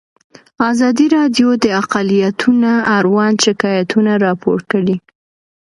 ازادي راډیو د اقلیتونه اړوند شکایتونه راپور کړي.